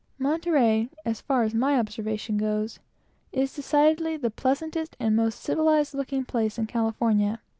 Monterey, as far as my observation goes, is decidedly the pleasantest and most civilized looking place in California.